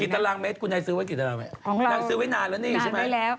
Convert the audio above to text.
กี่ตารางเมตรคุณยังซื้อไว้กี่ตารางเมตรนางซื้อไว้นานแล้วนี่ใช่ไหมนานไปแล้ว